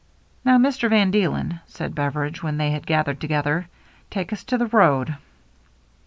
" Now, Mister van Deelen," said Beveridge, when they had gathered together, " take us to the road."